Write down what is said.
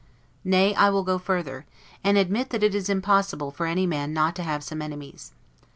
Nay, I will go further, and admit that it is impossible for any man not to have some enemies.